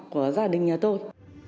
của gia đình nhà tôi